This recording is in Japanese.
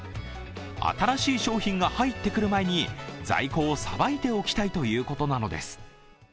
新しい商品が入ってくる前に在庫をさばいておきたいということなのです。